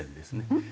うん？